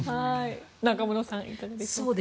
中室さんいかがでしょう。